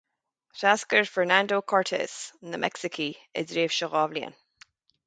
Threascair Fernando Cortes na Meicsicigh i dtréimhse dhá bhliain